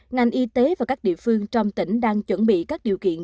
ngành y tế và các địa phương trong tỉnh đang chuẩn bị các điều kiện